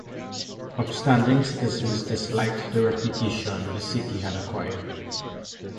Upstanding citizens disliked the reputation the city had acquired.